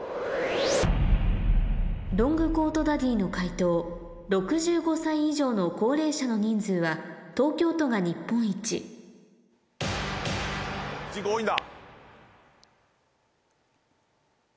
ロングコートダディの解答「６５歳以上の高齢者の人数」は東京都が日本一人口多いんだ。